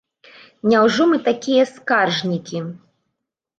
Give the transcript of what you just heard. Няўжо мы такія скаржнікі?